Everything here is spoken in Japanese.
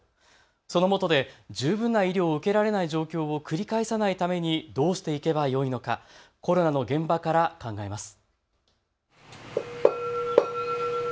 そのもとで十分な医療を受けられない状況を繰り返さないためにどうしていけばよいのかコロナの現場から考えます。